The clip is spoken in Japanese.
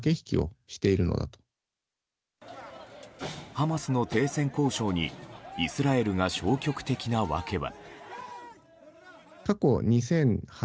ハマスの停戦交渉にイスラエルが消極的な訳は。